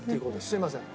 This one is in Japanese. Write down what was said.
すいません。